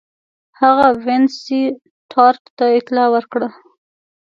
هغه وینسیټارټ ته اطلاع ورکړه.